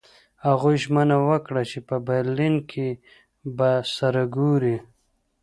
هغوی ژمنه وکړه چې په برلین کې به سره ګوري